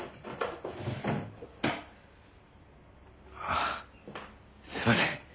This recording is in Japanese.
ああすいません